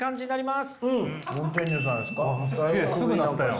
すぐなったやん。